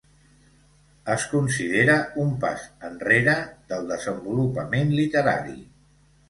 Es considera un pas enrere del desenvolupament literari.